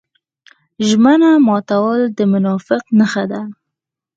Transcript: ژمنه ماتول د منافق نښه ده.